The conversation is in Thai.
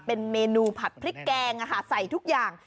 เป็นเมนูผัดพริกแกงใส่ทุกอย่าง